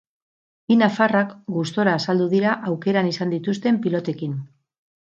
Bi nafarrak gustora azaldu dira aukeran izan dituzten pilotekin.